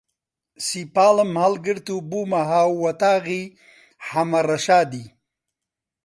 سیپاڵم هەڵگرت و بوومە هاووەتاغی حەمە ڕەشادی